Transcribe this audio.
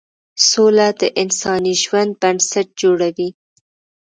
سوله د انساني ژوند بنسټ جوړوي.